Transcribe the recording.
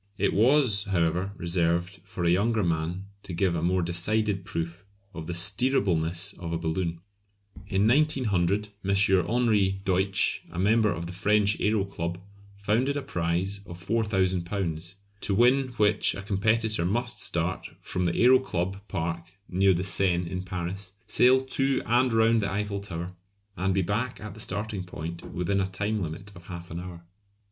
It was, however, reserved for a younger man to give a more decided proof of the steerableness of a balloon. In 1900 M. Henri Deutsch, a member of the French Aero Club, founded a prize of £4000, to win which a competitor must start from the Aero Club Park, near the Seine in Paris, sail to and round the Eiffel Tower, and be back at the starting point within a time limit of half an hour.